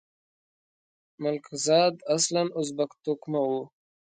ملکزاد اصلاً ازبک توکمه وو.